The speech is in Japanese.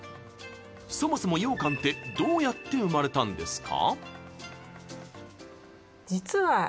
そもそも羊羹ってどうやって生まれたんですか？